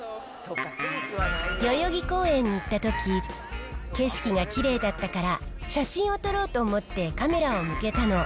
代々木公園に行ったとき、景色がきれいだったから写真を撮ろうと思って、カメラを向けたの。